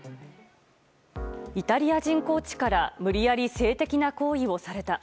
イタリア人コーチから無理やり性的な行為をされた。